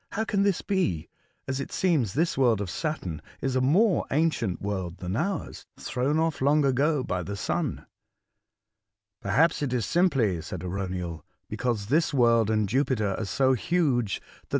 How can this be if, as it seems, this world of Saturn is a more ancient world than ours, thrown ofi'long ago by the sun ?"*' Perhaps it is simply," said Arauniel, '' be cause this world and Jupiter are so huge that 188 A Voyage, to Other Worlds.